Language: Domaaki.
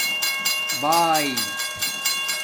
بآِئ